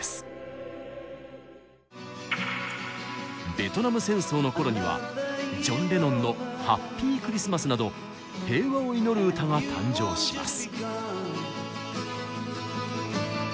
ベトナム戦争の頃にはジョン・レノンの「ＨａｐｐｙＸｍａｓ」など平和を祈る歌が誕生します。